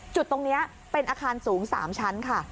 จุดตรงนี้เป็นอาคารสูง๓ชั้นค่ะ